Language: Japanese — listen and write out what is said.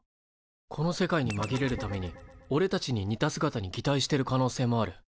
この世界にまぎれるためにおれたちに似た姿にぎたいしてる可能性もある。